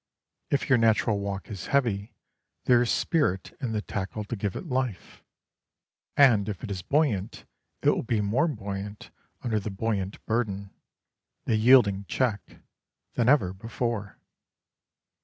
If your natural walk is heavy, there is spirit in the tackle to give it life, and if it is buoyant it will be more buoyant under the buoyant burden the yielding check than ever before.